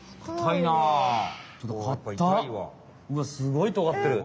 うわすごいとがってる！